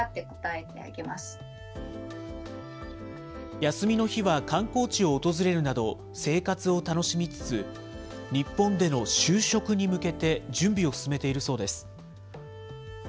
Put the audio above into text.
休みの日は観光地を訪れるなど、生活を楽しみつつ、日本での就職に向けて、準備を進めているそうです。